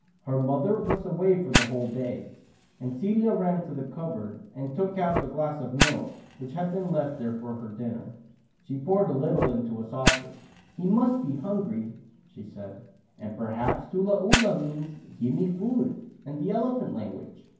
Her mother was away for the whole day, and Celia ran to the cupboard, and took out the glass of milk, which had been left there for her dinner. She poured a little into a saucer. 48 Tula Oolah. "He must be hungry," she said, "and perhaps ' Tula Oolah ' means * give me food ' in the ele phant language."